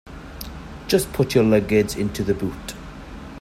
Just put your luggage into the boot